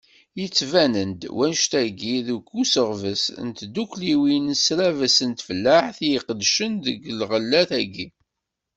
Yettban-d wannect-agi, deg usebɣes n tddukkliwin d ssrabes n tfellaḥt i iqeddcen deg lɣellat-agi.